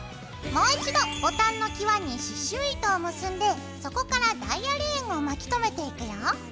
もう一度ボタンのキワに刺しゅう糸を結んでそこからダイヤレーンを巻きとめていくよ。